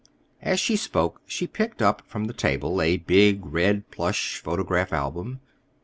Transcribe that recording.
As she spoke she nicked up from the table a big red plush photograph album.